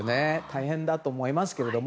大変だと思いますけど。